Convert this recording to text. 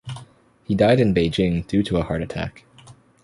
He died in Beijing due to a heart attack.